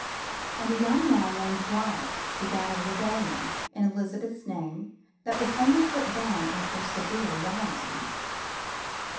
And a young man named Wyatt began a rebellion in Elizabeth's name that was only put down after severe rioting.